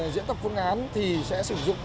diễn tập phương án thì sẽ sử dụng